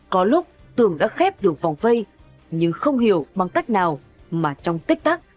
có lúc tường đã khép được vòng vây nhưng không hiểu bằng cách nào mà trong tích tắc